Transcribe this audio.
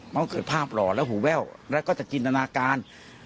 มันก็เกิดภาพหล่อแล้วหูแว่วแล้วก็จะจินตนาการ